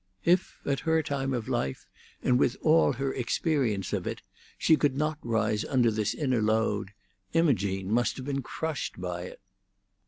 If at her time of life and with all her experience of it, she could not rise under this inner load, Imogene must have been crushed by it.